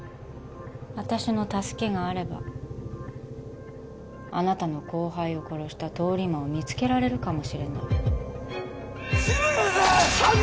私の助けがあればあなたの後輩を殺した通り魔を見つけられるかもしれない志村さん